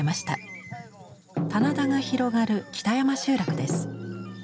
棚田が広がる北山集落です。